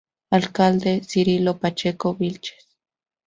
Alcalde: Cirilo Pacheco Vílchez.